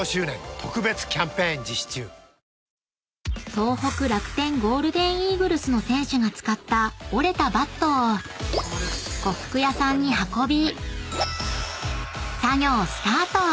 ［東北楽天ゴールデンイーグルスの選手が使った折れたバットを呉服屋さんに運び］